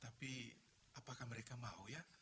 tapi apakah mereka mau ya